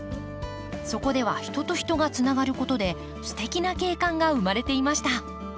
そこでは人と人がつながることですてきな景観が生まれていました。